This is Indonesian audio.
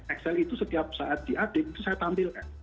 excel itu setiap saat di update itu saya tampilkan